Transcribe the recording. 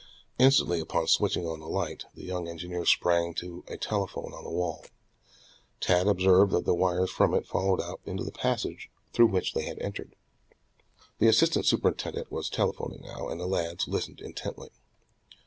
Instantly upon switching on the light, the young engineer sprang to a telephone on the wall. Tad observed that the wires from it followed out into the passage through which they had entered. The assistant superintendent was telephoning now, and the lads listened intently.